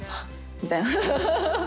みたいな。